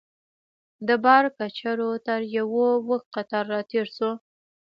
د بار کچرو تر یوه اوږد قطار راتېر شوو.